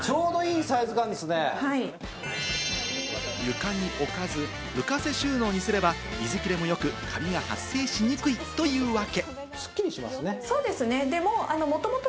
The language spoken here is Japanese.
床に置かず、浮かせ収納にすれば、水切れもよくカビが発生しにくいというわけ。